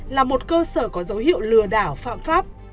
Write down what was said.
là một cơ sở có dấu hiệu lừa đảo phạm pháp